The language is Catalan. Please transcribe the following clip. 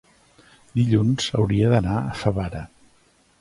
Dilluns hauria d'anar a Favara.